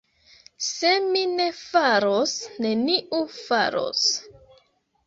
Se mi ne faros, neniu faros.